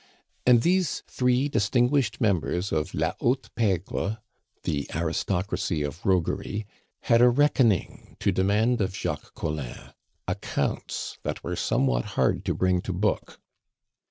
And these three distinguished members of la haute pegre, the aristocracy of roguery, had a reckoning to demand of Jacques Collin, accounts that were somewhat hard to bring to book.